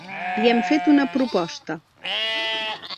Li hem fet una proposta.